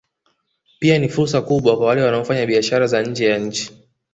Pia ni fursa kubwa kwa wale wanaofanya biashara za nje ya nchi